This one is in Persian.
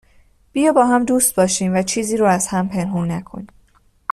بیا باهم دوست باشیم و چیزی رو از هم پنهون نکنیم